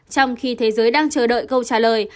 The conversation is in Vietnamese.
trong khi thế giới đang chờ đợi câu trả lời